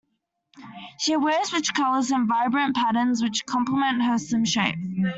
She wears rich colours and vibrant patterns, which compliment her slim shape.